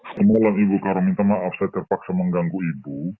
semangat ibu karo minta maaf saya terpaksa mengganggu ibu